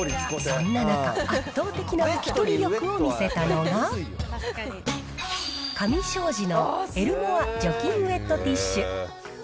そんな中、圧倒的な拭き取り力を見せたのが、カミ商事のエルモア除菌ウェットティッシュ。